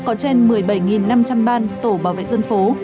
có trên một mươi bảy năm trăm linh ban tổ bảo vệ dân phố